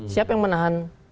siapa yang menahan